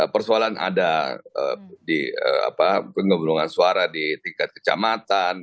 persoalan ada di pengemurungan suara di tingkat kecamatan